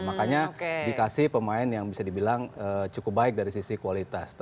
makanya dikasih pemain yang bisa dibilang cukup baik dari sisi kualitas